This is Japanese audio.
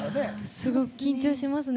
すごく緊張しますね。